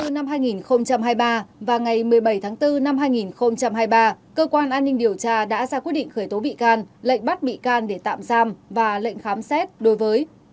ngày một mươi hai tháng bốn năm hai nghìn hai mươi ba và ngày một mươi bảy tháng bốn năm hai nghìn hai mươi ba cơ quan an ninh điều tra đã ra quyết định khởi tố bị can lệnh bắt bị can để tạm giam và lệnh khám xét đối với